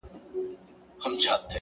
څرخنده راشي